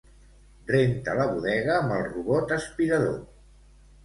Renta la bodega amb el robot aspirador.